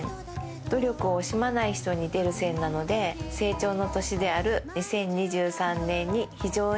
努力を惜しまない人に出る線なので成長の年である２０２３年に非常にマッチしています。